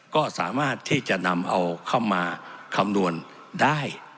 ก็สามารถที่จะนำเอาเข้ามาคำนวณได้